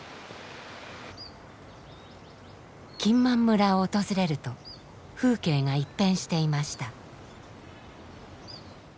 金満村を訪れると風景が一変していました。